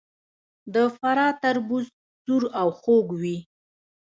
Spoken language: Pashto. د فراه تربوز سور او خوږ وي.